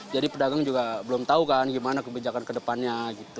jadi pedagang juga belum tahu kan gimana kebijakan ke depannya